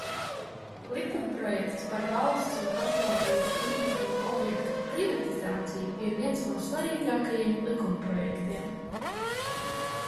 "Likumprojekts "Par valsts un pašvaldību īpašuma objektu privatizāciju" ir viens no svarīgākajiem likumprojektiem."